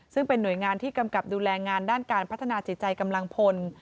ซึ่งเป็นหน่วยงานที่กำกับดูแลงานด้านการพัฒนาจิตใจกำลังพล